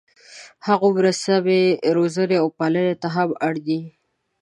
هغومره سمې روزنې او پالنې ته هم اړ دي.